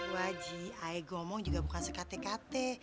bu haji saya ngomong juga bukan sekate kate